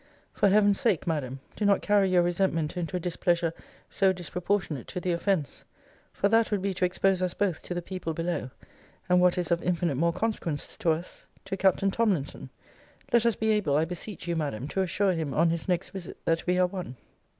For Heaven's sake, Madam, do not carry your resentment into a displeasure so disproportionate to the offence. For that would be to expose us both to the people below; and, what is of infinite more consequence to us, to Captain Tomlinson. Let us be able, I beseech you, Madam, to assure him, on his next visit, that we are one.